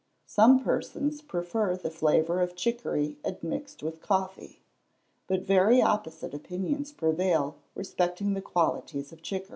Some persons prefer the flavour of chicory admixed with coffee. But very opposite opinions prevail respecting the qualities of chicory.